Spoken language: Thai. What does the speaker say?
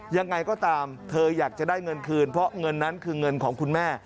ยังไงก็ตามเธออยากจะได้เงินคืนเพราะเงินนั้นคือเงินของคุณแม่